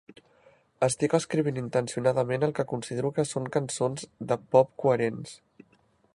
Estic escrivint intencionadament el que considero que són cançons de "pop" coherents".